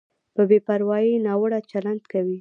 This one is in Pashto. په بې پروایۍ ناوړه چلند کوي.